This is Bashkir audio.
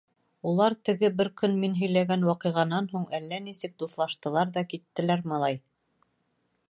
Улар, теге, бер көн мин һөйләгән ваҡиғанан һуң, әллә нисек дуҫлаштылар ҙа киттеләр, малай.